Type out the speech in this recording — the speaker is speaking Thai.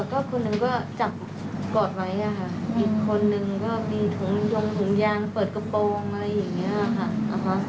ก็คนหนึ่งก็จับกอดไว้อะค่ะอีกคนนึงก็มีถุงยงถุงยางเปิดกระโปรงอะไรอย่างนี้ค่ะนะคะ